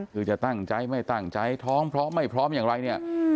คือจะตั้งใจไม่ตั้งใจท้องพร้อมไม่พร้อมอย่างไรเนี่ย